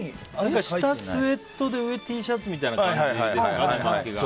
下スウェットで上Ｔシャツみたいな人いるじゃん。